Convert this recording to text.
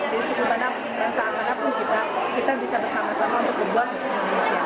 di suku mana pun dan saat mana pun kita bisa bersama sama untuk berbuat indonesia